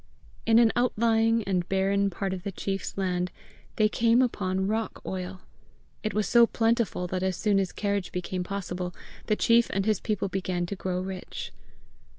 In an outlying and barren part of the chief's land, they came upon rock oil. It was so plentiful that as soon as carriage became possible, the chief and his people began to grow rich.